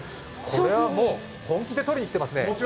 これはもう本気で取りに来てますね。